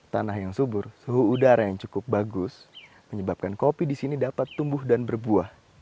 tanah yang subur suhu udara yang cukup bagus menyebabkan kopi di sini dapat tumbuh dan berbuah